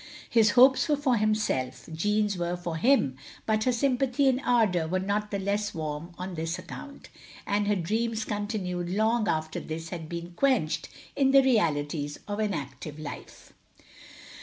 His hopes were for himself, Jeanne's were for him, but her sympathy and ardour were not the less warm on this account; and her dreams continued long after his had been quenched in the realities of an active life.